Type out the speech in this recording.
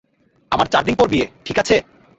আমার চারদিন পর বিয়ে, ঠিকাছে?